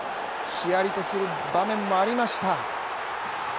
ひやりとする場面もありました。